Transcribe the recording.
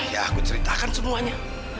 ya aku ceritakan semuanya